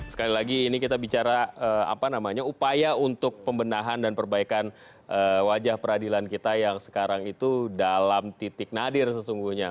sekali lagi ini kita bicara upaya untuk pembenahan dan perbaikan wajah peradilan kita yang sekarang itu dalam titik nadir sesungguhnya